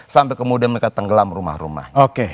sampai kemudian mereka tenggelam rumah rumahnya